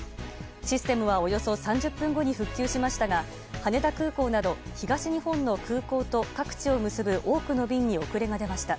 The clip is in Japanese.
システムは、およそ３０分後に復旧しましたが羽田空港など東日本の空港と各地を結ぶ多くの便に遅れが出ました。